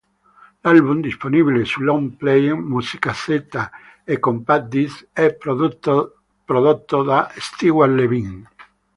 L'album, disponibile su long playing, musicassetta e compact disc, è prodotto da Stewart Levine.